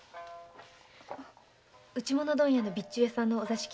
打物問屋の備中屋さんのお座敷は？